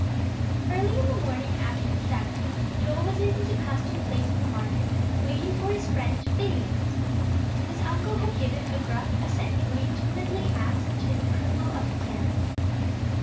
EARLY in the morning after the Sabbath, Joel was in his accustomed place in the market, waiting for his friend Phineas. His uncle had given a gruff assent, when he timidly asked his approval of the plan.